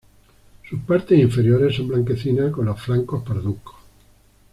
Sus partes inferiores son blanquecinas con los flancos parduzcos.